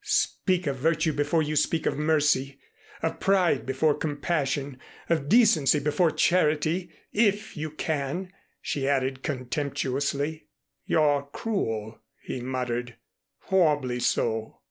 "Speak of virtue before you speak of mercy, of pride before compassion, of decency before charity if you can," she added contemptuously. "You're cruel," he muttered, "horribly so."